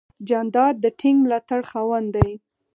جانداد د ټینګ ملاتړ خاوند دی.